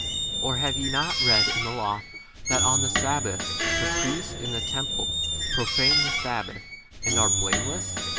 Or have ye not read in the law that on the sabbaths the priests in the temple profane the sabbath, and are blame 6 less